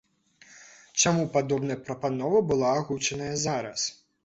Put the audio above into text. Чаму падобная прапанова была агучаная зараз?